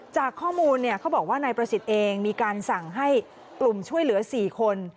จากข้อมูลเขาบอกว่านายประสิทธิ์เองมีการสั่งให้กลุ่มช่วยเหลือ๔คน